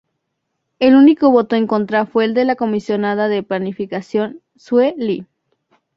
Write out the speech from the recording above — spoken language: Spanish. El único voto en contra fue el de la Comisionada de Planificación Sue Lee.